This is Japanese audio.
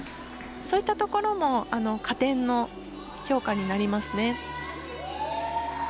そういったところも加点の評価になりますね。